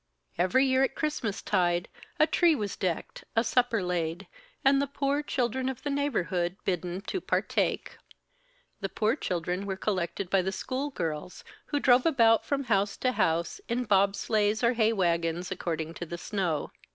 Every year at Christmastide a tree was decked, a supper laid, and the poor children of the neighborhood bidden to partake. The poor children were collected by the school girls, who drove about from house to house, in bob sleighs or hay wagons, according to the snow.